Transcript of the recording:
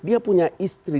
dia punya istri